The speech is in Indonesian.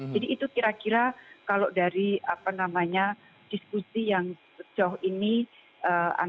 jadi itu kira kira kalau dari diskusi yang jauh ini antara kami tim dengan bapak presiden